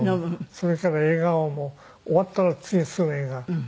それから映画を終わったら次すぐ映画。